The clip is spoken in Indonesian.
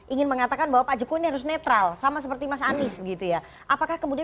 ingin mengatakan bahwa pak jokowi harus netral sama seperti mas anies begitu ya apakah kemudian